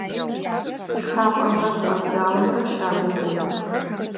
Шхапӏэмрэ спортзалымрэ щагум дэтых.